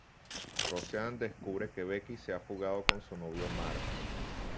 Roseanne descubre que Becky se ha fugado con su novio Mark.